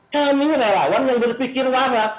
kami relawan yang berpikir waras